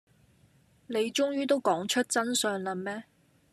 你終於都講出真相喇咩